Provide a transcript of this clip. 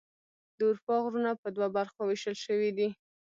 د اروپا غرونه په دوه برخو ویشل شوي دي.